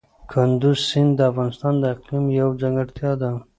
کندز سیند د افغانستان د اقلیم یوه ځانګړتیا ده.